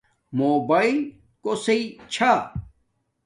موباݵل کوسݵ چھا